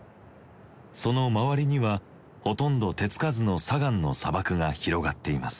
その周りにはほとんど手付かずの砂岩の砂漠が広がっています。